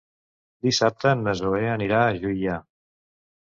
Dissabte na Zoè anirà a Juià.